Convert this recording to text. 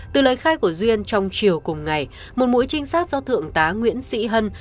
từ lời khai của duyên trong chiều cùng ngày một mũi trinh sát do thượng tá nguyễn sĩ hân